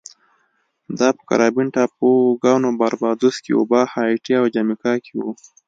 دا په کارابین ټاپوګانو باربادوس، کیوبا، هایټي او جامیکا کې و